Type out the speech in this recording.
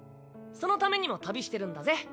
そのためにも旅してるんだぜ。